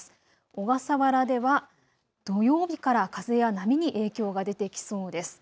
小笠原では土曜日から風や波に影響が出てきそうです。